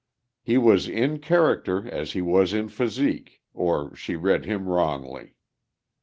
He was in character as he was in physique, or she read him wrongly.